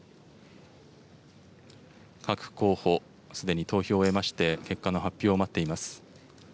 各候補、すでに投票を終えまして、結果の発表を待っています。